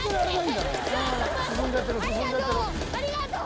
ありがとう！